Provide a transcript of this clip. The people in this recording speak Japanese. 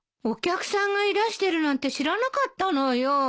お客さんがいらしてるなんて知らなかったのよ。